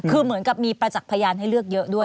คือเหมือนกับมีประจักษ์พยานให้เลือกเยอะด้วย